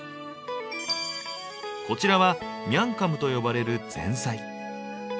こちらは「ミャンカム」と呼ばれる前菜。